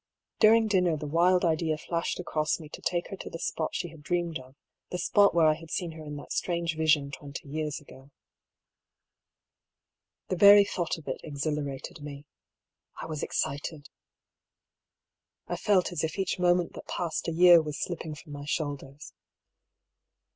During dinner the wild idea flashed across me to take her to the spot she had dreamed of, the spot where I had seen her in that strange vision twenty years ago. The very thought of it exhilarated me. I was ex cited. I felt as if each moment that passed a year was slipping from my shoulders.